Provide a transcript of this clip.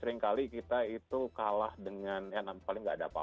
tapi seringkali kita itu kalah dengan ya paling tidak ada apa apa